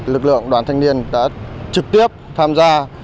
lực lượng đoàn thanh niên đã trực tiếp tham gia